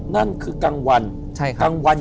นั่นคือกลางวัน